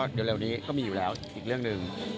เร็วนี้ก็มีอยู่แล้วอีกเรื่องหนึ่ง